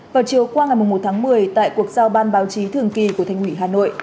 vào chiều qua ngày một tháng một mươi tại cuộc giao ban báo chí thường kỳ của thanh ủy hà nội